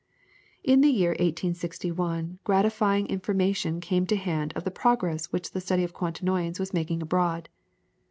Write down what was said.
In the year 1861 gratifying information came to hand of the progress which the study of Quaternions was making abroad.